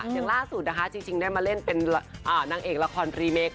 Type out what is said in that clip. อย่างล่าสุดนะคะจริงได้มาเล่นเป็นนางเอกละครรีเมค